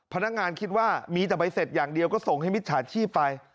พนักงานคิดว่ามีแต่ใบเสร็จอย่างเดียวก็ส่งให้มิจฉาชีพไป